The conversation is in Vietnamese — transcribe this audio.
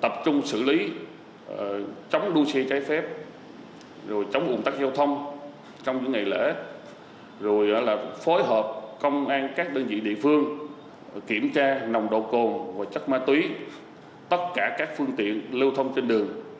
tập trung xử lý chống đua xe trái phép rồi chống ủn tắc giao thông trong những ngày lễ rồi là phối hợp công an các đơn vị địa phương kiểm tra nồng độ cồn và chất ma túy tất cả các phương tiện lưu thông trên đường